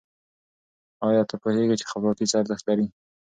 آیا ته پوهېږي چې خپلواکي څه ارزښت لري؟